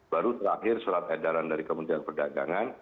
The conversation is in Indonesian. baru terakhir surat edaran dari kementerian perdagangan